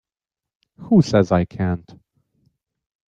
Who says I can't?